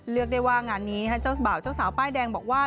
เลือกได้ว่างานนี้เจ้าสาวป้ายแดงบอกว่า